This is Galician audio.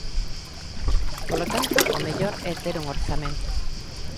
Polo tanto, o mellor é ter un orzamento.